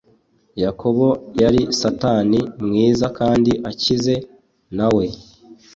Yakobo yari satani mwiza kandi akize, nawe